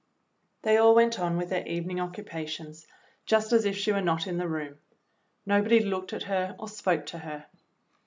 They all went on with their evening occupations just as if she were not in the room. Nobody looked at her or spoke to her.